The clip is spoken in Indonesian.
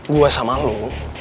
gua sama lu